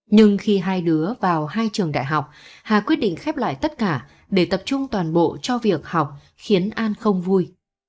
nhưng khi hai đứa vào hai trường đại học hà quyết định khép lại tất cả để tập trung toàn bộ cho việc học khiến an không vui